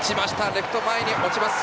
レフト前に落ちます。